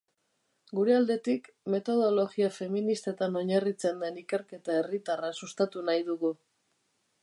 Gure aldetik, metodologia feministetan oinarritzen den ikerketa herritarra sustatu nahi dugu.